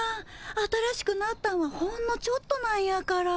新しくなったんはほんのちょっとなんやから。